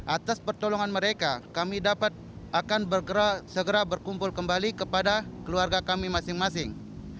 atas pertolongan mereka kami dapat akan bergerak segera berkumpul kembali kepada keluarga kami masing masing